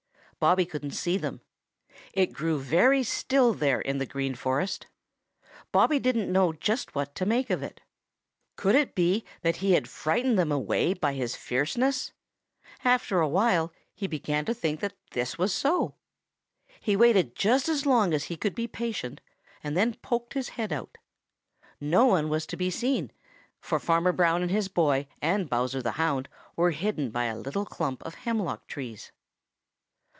Bobby couldn't see them. It grew very still there in the Green Forest. Bobby didn't know just what to make of it. Could it be that he had frightened them away by his fierceness? After awhile he began to think that this was so. He waited just as long as he could be patient and then poked his head out. No one was to be seen, for Farmer Brown and his boy and Bowser the Hound were hidden by a little clump of hemlock trees.